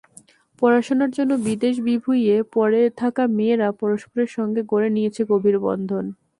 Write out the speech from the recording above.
পড়াশোনার জন্য বিদেশ-বিভুঁইয়ে পড়ে থাকা মেয়েরা পরস্পরের সঙ্গে গড়ে নিয়েছেন গভীর বন্ধন।